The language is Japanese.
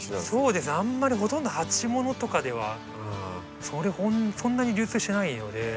そうですあんまりほとんど鉢物とかではそんなに流通してないので。